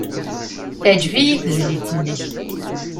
Teɛjeb-iyi tezlit-nnek.